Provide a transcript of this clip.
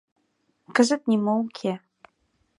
Кызыт нимо уке.